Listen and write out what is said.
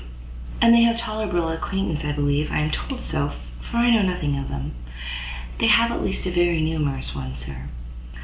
"And they have a tolerable acquaintance, I believe: I am told so; for I know nothing of them." "They have, at least, a very numerous one, sir."